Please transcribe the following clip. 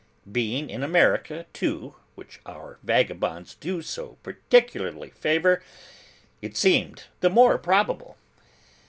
Being in America, too, which our vagabonds do so particularly favour, it seemed the more probable.